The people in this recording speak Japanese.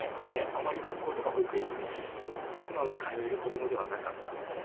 あまり学校とか保育園に素直に通える子供ではなかったので。